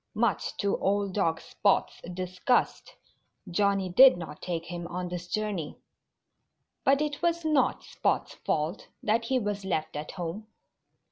Much to old dog Spot's disgust, Johnnie did not take him on this journey. But it was not Spot's fault that he was left at home.